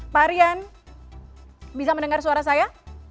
pak rian bisa mendengar suara saya